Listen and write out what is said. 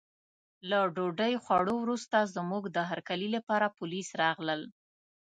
له ډوډۍ خوړو وروسته زموږ د هرکلي لپاره پولیس راغلل.